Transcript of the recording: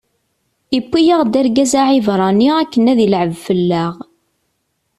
iwwi-yaɣ-d argaz Aɛibṛani akken ad ilɛeb fell-aɣ.